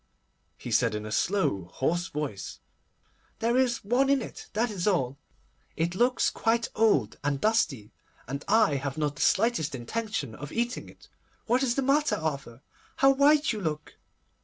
he said in a slow, hoarse voice. 'There is one in it, that is all. It looks quite old and dusty, and I have not the slightest intention of eating it. What is the matter, Arthur? How white you look!